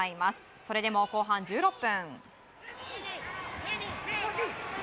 それでも後半１６分。